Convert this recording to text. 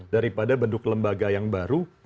daripada bentuk lembaga yang baru